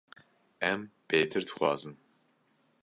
Em bêtir dixwazin.